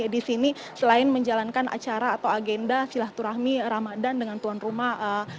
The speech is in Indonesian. di sini selain menjalankan acara atau agenda silaturahmi ramadan dengan tuan rumah